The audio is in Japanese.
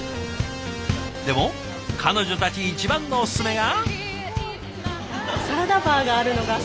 でも彼女たち一番のおすすめが。